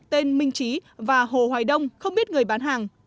tên minh trí và hồ hoài đông không biết người bán hàng